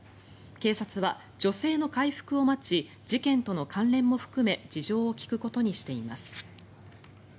警察は女性の回復を待ち事件との関連も含め事情を聴くことにしています。